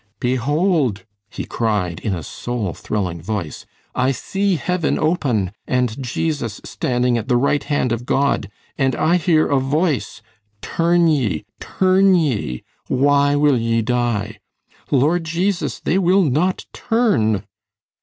"Behold," he cried, in a soul thrilling voice, "I see heaven open, and Jesus standing at the right hand of God, and I hear a voice, 'Turn ye, turn ye. Why will ye die?' Lord Jesus, they will not turn."